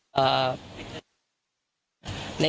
สามสอง